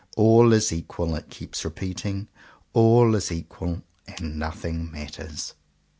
''AH is equal," it keeps repeating; "all is equal; and nothing matters."